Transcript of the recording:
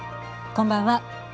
こんばんは。